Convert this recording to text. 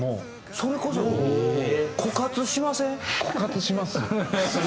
それこそ枯渇しません？